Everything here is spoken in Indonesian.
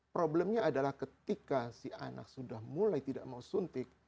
problemnya adalah ketika si anak sudah mulai tidak mau suntik